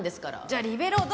じゃあリベロウ